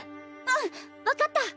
うん分かった！